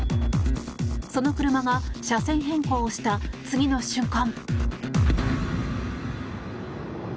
その車が車線変更をした次の瞬間。